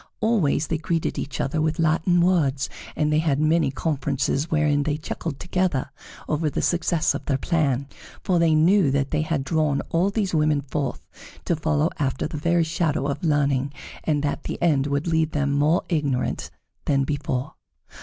Always they greeted each other with Latin words, and they had many conferences wherein they chuckled together over the success of their plan, for they knew that they had drawn all these women forth to follow after the very shadow of learning, and that the end would leave them more ignorant than before.